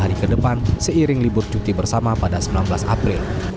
hari ke depan seiring libur cuti bersama pada sembilan belas april